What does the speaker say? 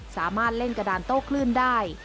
สามารถเล่นกระดานโต้คลื่นได้